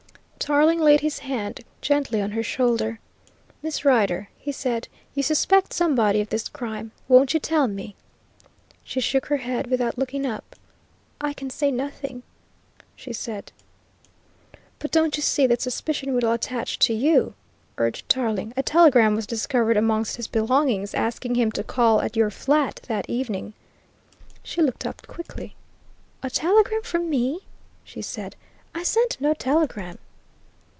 Tarling laid his hand gently on her shoulder. "Miss Rider," he said, "you suspect somebody of this crime. Won't you tell me?" She shook her head without looking up. "I can say nothing," she said. "But don't you see that suspicion will attach to you?" urged Tarling. "A telegram was discovered amongst his belongings, asking him to call at your flat that evening." She looked up quickly. "A telegram from me?" she said. "I sent no telegram."